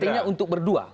artinya untuk berdua